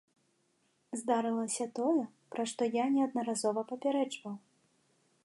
Здарылася тое, пра што я неаднаразова папярэджваў.